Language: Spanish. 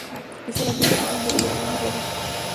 Es el actual capitán de los Dragones rojos.